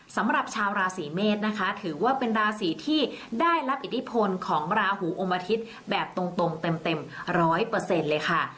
สำหรับชาวราศีเมษนะคะถือว่าเป็นราศีที่ได้รับอิทธิพลของราหูอมทิศแบบตรงเต็ม๑๐๐เลยค่ะ